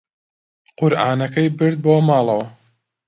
قورئانەکەی برد بۆ ماڵەوە.